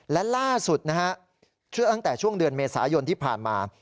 และล่าสุดนะฮะเชื่อตั้งแต่ช่วงเดือนเมษายนที่ผ่านมา